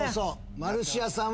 マルシアさんは。